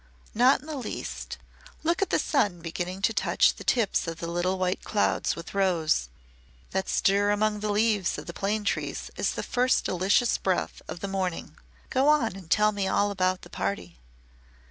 "Not in the least. Look at the sun beginning to touch the tips of the little white clouds with rose. That stir among the leaves of the plane trees is the first delicious breath of the morning. Go on and tell me all about the party."